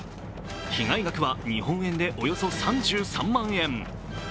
被害額は日本円でおよそ３３万円。